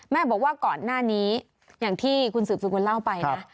แม่บอกว่าก่อนหน้านี้อย่างที่คุณสืบสกุลเล่าไปนะ